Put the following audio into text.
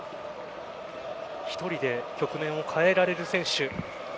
１人で局面を変えられる選手。